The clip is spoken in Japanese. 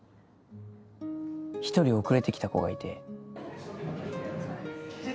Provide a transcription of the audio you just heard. １人遅れてきた子がいて。